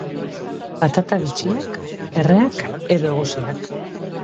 Patata bitxiak, erreak edo egosiak.